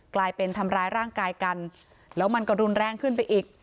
กลายเป็นทำร้ายร่างกายกันแล้วมันก็รุนแรงขึ้นไปอีก